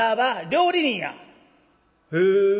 「へえ。